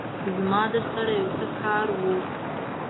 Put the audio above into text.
زما درسره يو څه کار وو